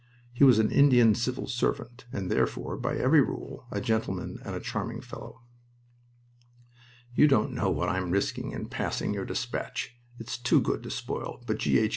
He was an Indian Civil Servant, and therefore, by every rule, a gentleman and a charming fellow. "You don't know what I am risking in passing your despatch! It's too good to spoil, but G. H. Q.